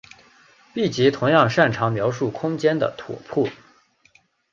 闭集同样擅长描述空间的拓扑。